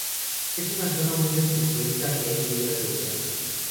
Es una zona muy descompuesta y hay piedras sueltas.